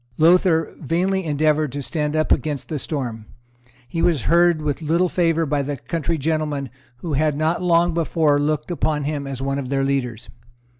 Lowther vainly endeavoured to stand up against the storm. He was heard with little favour by the country gentlemen who had not long before looked up to him as one of their leaders.